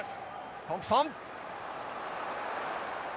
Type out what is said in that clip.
トンプソン！